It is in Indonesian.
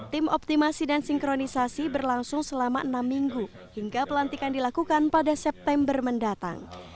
tim optimasi dan sinkronisasi berlangsung selama enam minggu hingga pelantikan dilakukan pada september mendatang